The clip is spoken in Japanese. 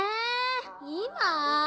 今？